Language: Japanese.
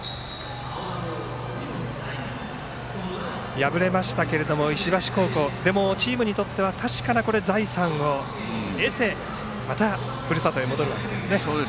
敗れましたけれども石橋高校でも、チームにとっては確かな財産を得てまたふるさとへ戻るわけですね。